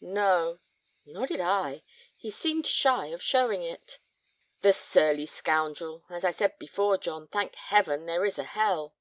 "No." "Nor did I. He seemed shy of showing it." "The surly scoundrel! As I said before, John, thank Heaven there is a hell."